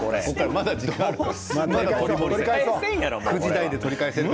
まだ時間あるから。